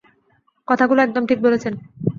কথাগুলো একদম ঠিক বলেছেন।